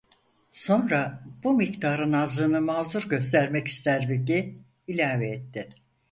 Sonra bu miktarın azlığını mazur göstermek ister gibi ilave etti: